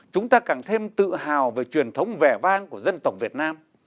chúng ta càng thêm tự hào về truyền thống vẻ vang của dân tộc việt nam